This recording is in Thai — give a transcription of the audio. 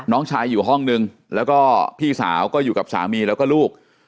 น้องชายอยู่ห้องนึงแล้วก็พี่สาวก็อยู่กับสามีแล้วก็ลูก